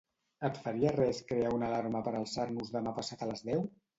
Et faria res crear una alarma per alçar-nos demà passat a les deu?